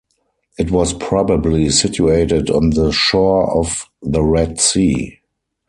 It was probably situated on the shore of the Red Sea.